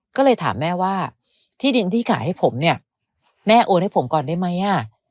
ก็เลยถามแม่ว่าที่ดินที่ขายให้ผมเนี่ยแม่โอนให้ผมก่อนได้ไหม